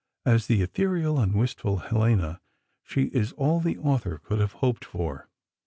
As the ethereal and wistful Helena she is all the author could have hoped for.